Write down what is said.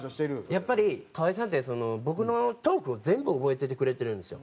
やっぱり河井さんって僕のトークを全部覚えててくれてるんですよ。